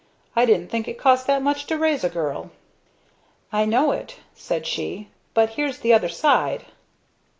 I didn't think it cost that much to raise a girl." "I know it," said she. "But here's the other side."